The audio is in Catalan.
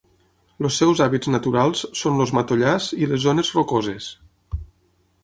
Els seus hàbitats naturals són els matollars i les zones rocoses.